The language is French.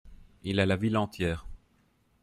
Il a la ville entière.